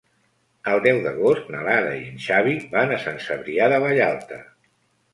El deu d'agost na Lara i en Xavi van a Sant Cebrià de Vallalta.